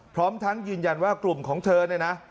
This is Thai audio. พร้อมทั้งยืนยันว่ากลุ่มของเธอเนี่ยนะ